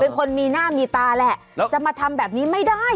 คนมีหน้ามีตาแหละจะมาทำแบบนี้ไม่ได้